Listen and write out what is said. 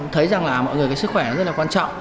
thấy rằng là mọi người sức khỏe rất là quan trọng